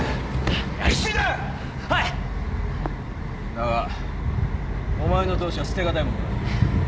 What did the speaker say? だがお前の闘志は捨てがたいものがある